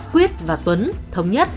quyết và tuấn thống nhất